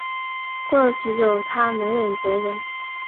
过了许久她能忍则忍